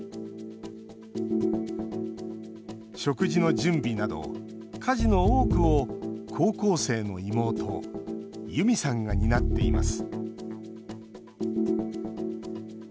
食事の準備など、家事の多くを高校生の妹ユミさんが担っています。